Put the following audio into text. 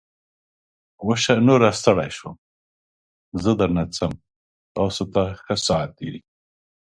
وشه. نوره ستړی شوم. زه درنه څم. تاسو ته ښه ساعتېری!